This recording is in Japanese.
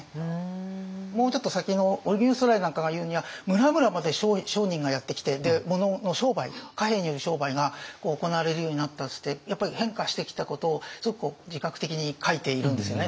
もうちょっと先の荻生徂徠なんかがいうには村々まで商人がやって来て物の商売貨幣による商売が行われるようになったってやっぱり変化してきたことをすごく自覚的に書いているんですよね。